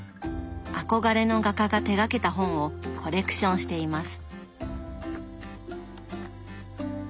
憧れの画家が手がけた本をコレクションしています。